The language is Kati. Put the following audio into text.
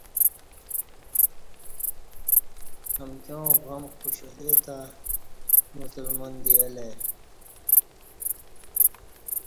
امکیاں غم خوشحالی تہ مسلمان دی الہ ائی